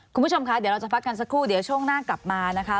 คุณผู้ชมคะเดี๋ยวเราจะพักกันสักครู่เดี๋ยวช่วงหน้ากลับมานะคะ